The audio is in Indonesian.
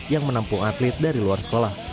yang menampung atlet dari luar sekolah